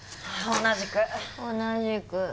同じく！同じく。